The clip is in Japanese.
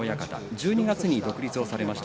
１２月に独立をされました。